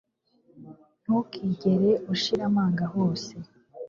ntukigere ushira amanga hose